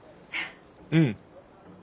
うん。